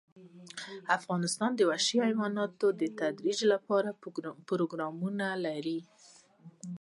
افغانستان د وحشي حیواناتو د ترویج لپاره پروګرامونه لري.